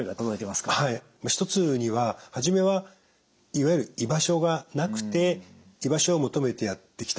一つには初めはいわゆる居場所がなくて居場所を求めてやって来た。